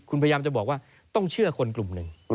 คุณพยายามจะบอกว่าต้องเชื่อคนกลุ่มหนึ่ง